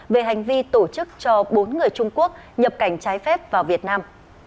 về hành vi tổ chức cho bốn người trung quốc nhập cảnh trái phép vào việt nam